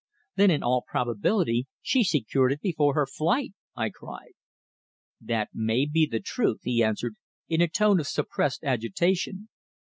"Then in all probability she secured it before her flight!" I cried. "That may be the truth," he answered in a tone of suppressed agitation.